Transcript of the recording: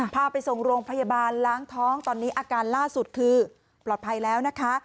พาไปส่งโรงพยาบาลล้างท้องตอนนี้อาการล่าสุดคือปลอดภัยแล้วนะคะ